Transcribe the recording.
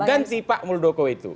ganti pak murudoko itu